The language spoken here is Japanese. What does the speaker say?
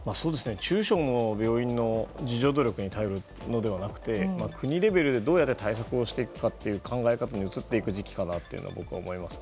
中小の病院の自助努力に頼るのではなくて国レベルでどうやって対策をしていくかという考え方に移るべきかなと思います。